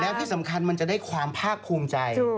แล้วที่สำคัญมันจะได้ความภาคภูมิใจ